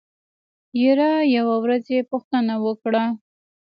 يره يوه ورځ يې پوښتنه وکړه.